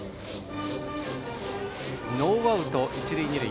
ノーアウト、一塁二塁。